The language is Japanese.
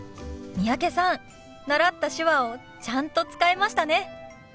三宅さん習った手話をちゃんと使えましたね。